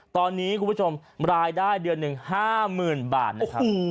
ตอนนี้คุณผู้ชมรายได้เดือนหนึ่ง๕๐๐๐บาทนะครับ